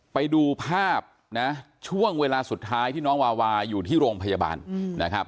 ไปดูภาพนะช่วงเวลาสุดท้ายที่น้องวาวาอยู่ที่โรงพยาบาลนะครับ